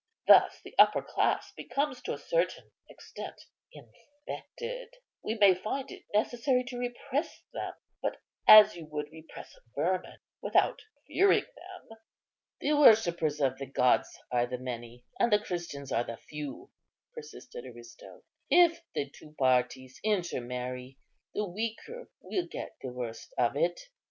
Thus the upper class becomes to a certain extent infected. We may find it necessary to repress them; but, as you would repress vermin, without fearing them." "The worshippers of the gods are the many, and the Christians are the few," persisted Aristo; "if the two parties intermarry, the weaker will get the worst of it.